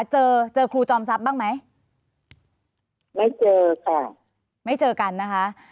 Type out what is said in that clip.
เจอเจอครูจอมทรัพย์บ้างไหมไม่เจอค่ะไม่เจอกันนะคะ